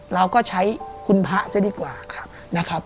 เราก็ใช้คุณพระซะดีกว่านะครับ